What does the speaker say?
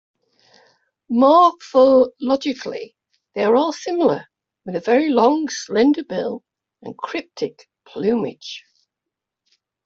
Morphologically, they are all similar, with a very long slender bill and cryptic plumage.